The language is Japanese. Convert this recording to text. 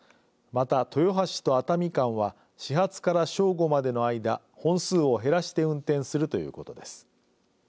また、豊橋と熱海間は始発から正午までの間本数を減らして運転するということです。